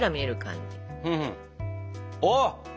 あっ！